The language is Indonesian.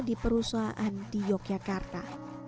di perusahaan di yogyakarta